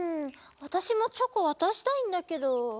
わたしもチョコわたしたいんだけど。